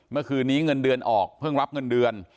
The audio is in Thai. เมื่อคืนนี้เงินเดือนออกเพิ่งรับเงินเดือน